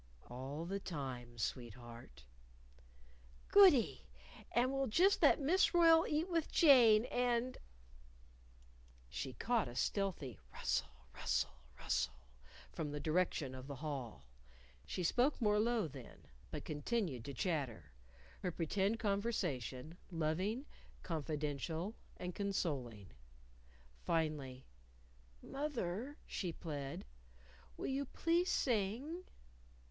All the time, sweetheart.... Goody! And we'll just let Miss Royle eat with Jane and " She caught a stealthy rustle! rustle! rustle! from the direction of the hall. She spoke more low then, but continued to chatter, her pretend conversation, loving, confidential, and consoling. Finally, "Moth er," she plead, "will you please sing?"